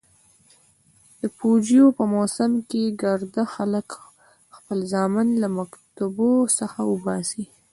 د پوجيو په موسم کښې ګرده خلك خپل زامن له مكتبو څخه اوباسي.